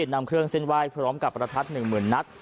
นำเครื่องเส้นวายพร้อมกับประทัดหนึ่งหมื่นนัด